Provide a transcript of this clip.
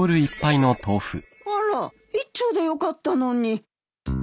あら１丁でよかったのに。